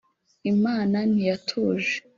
Imana ntiyatuje